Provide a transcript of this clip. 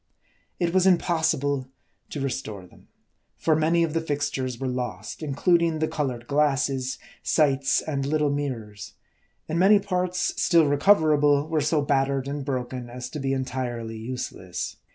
It was impossible to restore them ; for many of the fixtures were lost, including the colored glasses, sights, and little mirrors ; and many parts still recoverable, were so battered and broken as to be entirely useless.